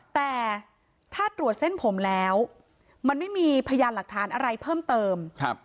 แต่ถ้าตรวจเส้นผมแล้วมันไม่มีพยานหลักฐานอะไรเพิ่มเติม